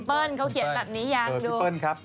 พี่เปิ้ลครับ